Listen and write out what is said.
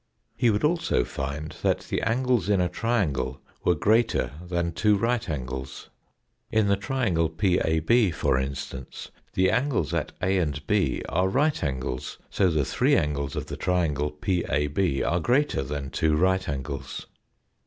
He would also find that the angles in a triangle were greater than two right angles. In the triangle PAB, for instance, the angles at A and B are right angles, so the three angles of the triangle PAB are greater than two right angles.